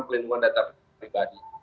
pelindungan data pribadi